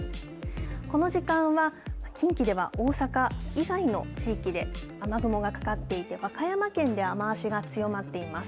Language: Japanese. この時間は近畿では大阪以外の地域で雨雲がかかっていて和歌山県で雨足が強まっています。